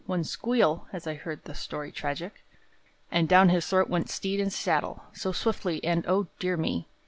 One squeal (as I've heard the story tragic) And down his throat went steed and saddle, So swiftly; and O, dear me!